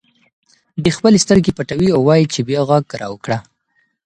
دی خپلې سترګې پټوي او وایي چې بیا غږ راوکړه.